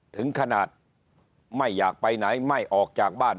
ถึงขนาดไม่อยากไปไหนไม่ออกจากบ้าน